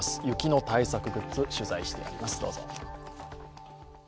雪の対策グッズ、取材してあります、どうぞ。